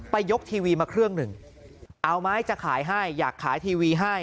ยกทีวีมาเครื่องหนึ่งเอาไม้จะขายให้อยากขายทีวีให้